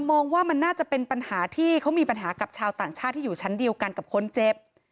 มองว่ามันน่าจะเป็นปัญหาที่เขามีปัญหากับชาวต่างชาติที่อยู่ชั้นเดียวกันกับคนเจ็บ